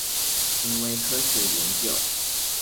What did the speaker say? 行為科學研究